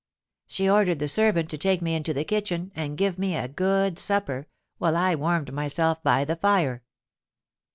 She ordered the servant to take me into the kitchen, and give me a good supper, while I warmed myself by the fire.